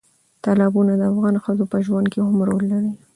تالابونه د افغان ښځو په ژوند کې هم رول لري.